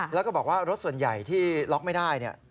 แล้วก็บอกว่ารถส่วนใหญ่ที่ล็อกไม่ได้